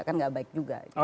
kan tidak baik juga